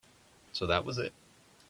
So that was it.